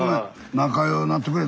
仲ようなってくれ頼むな。